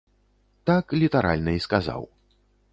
Так літаральна і сказаў.